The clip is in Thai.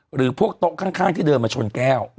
หรือพวกโต๊ะข้างที่เดินมาชนแก้ว